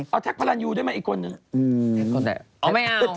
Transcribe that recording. เอาแท็กพลันยูได้มั้ยอีกคน